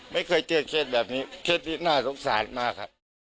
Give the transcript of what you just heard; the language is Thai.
ไม่เคยเจอเคล็ดแบบนี้เคล็ดนี้น่าสงสารมาก